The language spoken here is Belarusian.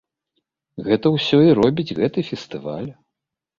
Гэта ўсё і робіць гэты фестываль.